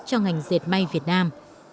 cho ngành dệt may việt nam